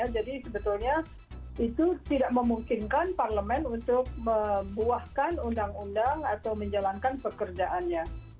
jadi sebetulnya itu tidak memungkinkan parlemen untuk membuahkan undang undang atau menjalankan pekerjaannya